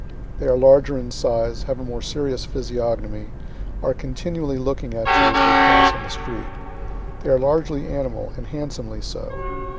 They are larger in size, have a more serious physiognomy, are continually looking at you as they pass in the street. They are largely animal, and handsomely so.